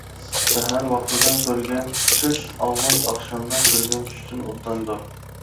سەھەر ۋاقتىدا كۆرگەن چۈش ئاۋۋال ئاخشامدا كۆرگەن چۈشتىن ئوبداندۇر.